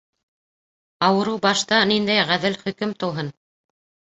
Ауырыу башта ниндәй ғәҙел хөкөм тыуһын!